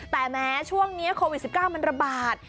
แต่แม้ช่วงนี้โควิด๑๙มันระบาด